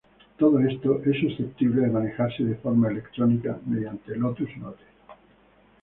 Todo esto es susceptible de manejarse de forma electrónica mediante Lotus Notes.